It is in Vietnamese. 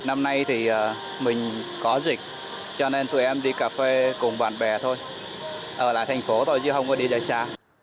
năm nay thì mình có dịch cho nên tụi em đi cà phê cùng bạn bè thôi ở lại thành phố thôi chứ không có đi chơi xa